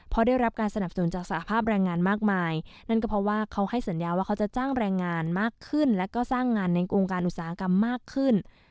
พอได้รับการสนับสนุนจากสหภาพแรงงานมากมายนั่นก็เพราะว่าเขาให้สัญญาว่าเขาจะจ้างแรงงานมากขึ้นแล้วก็สร้างงานในโครงการอุตสาหกรรมมากขึ้น